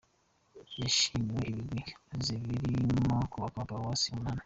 Yashimiwe ibigwi asize birimo kubaka paruwasi umunani.